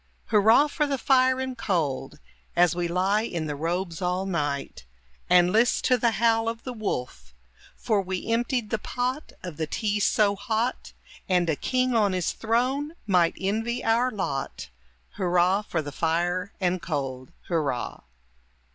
Hurrah for the fire and cold! As we lie in the robes all night. And list to the howl of the wolf; For we emptied the pot of the tea so hot, And a king on his throne might envy our lot, Hurrah for the fire and cold! Hurrah!